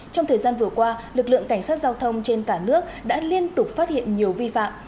trong thời gian vừa qua lực lượng cảnh sát giao thông trên cả nước đã liên tục phát hiện nhiều vi phạm